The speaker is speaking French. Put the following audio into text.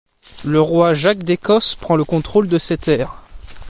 Le roi Jacques d'Écosse prend le contrôle de ses terres.